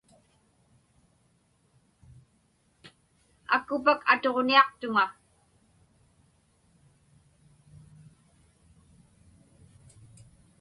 Akkupak atuġniaqtuŋa.